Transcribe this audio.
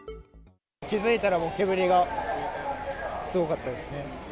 気付いたら、もう煙がすごかったですね。